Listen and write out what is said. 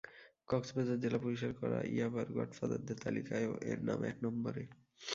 কক্সবাজার জেলা পুলিশের করা ইয়াবার গডফাদারদের তালিকায়ও তাঁর নাম এক নম্বরে।